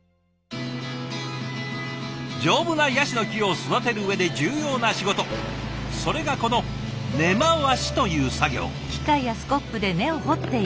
丈夫なヤシの木を育てる上で重要な仕事それがこの根回しという作業。